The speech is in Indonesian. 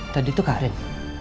tadi itu karim